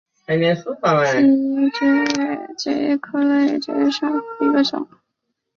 栎叶槲蕨为槲蕨科槲蕨属下的一个种。